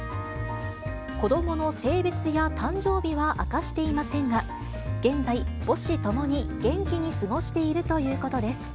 子どもの性別や誕生日は明かしていませんが、現在、母子共に元気に過ごしているということです。